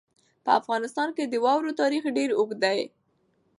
په افغانستان کې د واورو تاریخ ډېر اوږد دی.